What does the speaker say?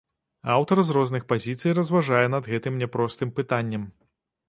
Аўтар з розных пазіцый разважае над гэтым няпростым пытаннем.